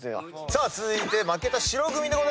さあ続いて負けた白組でございますね。